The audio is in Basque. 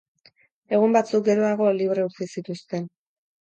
Egun batzuk geroago libre utzi zituzten.